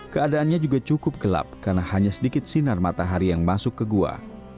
keadaannya juga cukup gelap karena hanya sedikit sinar matahari yang masuk ke gua